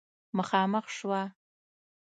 مخامخ شوه